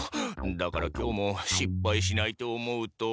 だから今日もしっぱいしないと思うと。